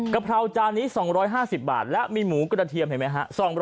กะเพราจานนี้๒๕๐บาทและมีหมูกระเทียมเห็นไหมฮะ